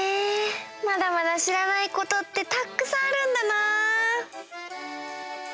まだまだしらないことってたっくさんあるんだな！